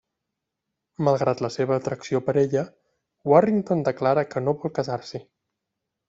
Malgrat la seva atracció per ella, Warrington declara que no vol casar-s'hi.